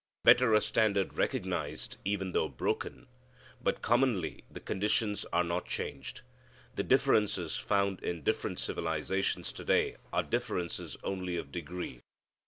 Better a standard recognized, even though broken. But commonly the conditions are not changed. The differences found in different civilizations to day are differences only of degree.